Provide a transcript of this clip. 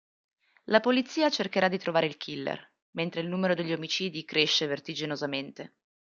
La polizia cercherà di trovare il killer, mentre il numero degli omicidi cresce vertiginosamente.